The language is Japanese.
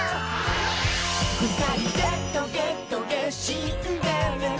「ふたりでトゲトゲシンデレラ」